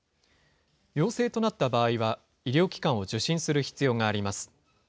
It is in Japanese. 陽性となった場合は、医療機関を受診する必要があります。